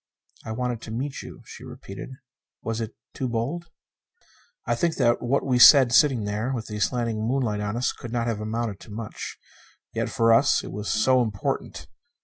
"I wanted to meet you," she repeated. "Was it too bold?" I think that what we said sitting there with the slanting moonlight on us, could not have amounted to much. Yet for us, it was so important!